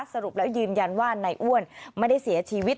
สรุปแล้วยืนยันว่านายอ้วนไม่ได้เสียชีวิต